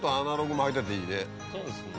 そうですね。